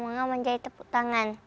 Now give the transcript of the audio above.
sama jokowi menjadi tepuk tangan